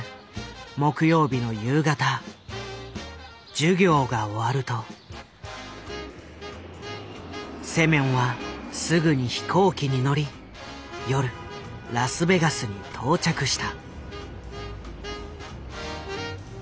授業が終わるとセミョンはすぐに飛行機に乗り夜ラスベガスに到着した。